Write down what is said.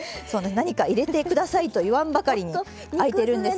何か入れて下さいと言わんばかりにあいてるんです。